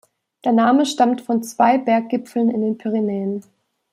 Der Name stammt von zwei Berggipfeln in den Pyrenäen.